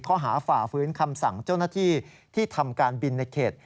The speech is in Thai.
ฝ่าฟื้นคำสั่งเจ้าหน้าที่ที่ทำการบินในเขต